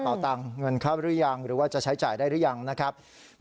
ตังค์เงินเข้าหรือยังหรือว่าจะใช้จ่ายได้หรือยังนะครับ